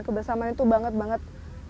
kebersamaan itu banget banget